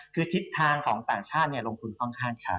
คือทิศทางของต่างชาติลงทุนค่อนข้างชัด